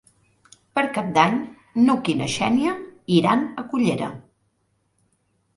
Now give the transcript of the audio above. Per Cap d'Any n'Hug i na Xènia iran a Cullera.